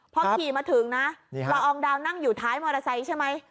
พอขี่มาถึงนะละอองดาวนั่งอยู่ท้ายมอเตอร์ไซค์ใช่ไหม